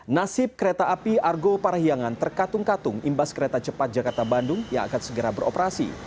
nasib kereta api argo parahiangan terkatung katung imbas kereta cepat jakarta bandung yang akan segera beroperasi